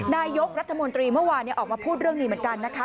นายกรัฐมนตรีเมื่อวานออกมาพูดเรื่องนี้เหมือนกันนะคะ